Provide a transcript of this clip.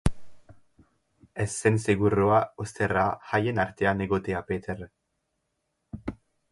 Ez zen segurua, ostera, haien artean egotea Peter.